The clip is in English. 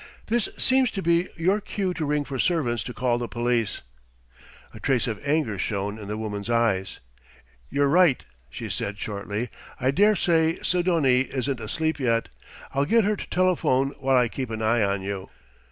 This seems to be your cue to ring for servants to call the police." A trace of anger shone in the woman's eyes. "You're right," she said shortly; "I dare say Sidonie isn't asleep yet. I'll get her to telephone while I keep an eye on you."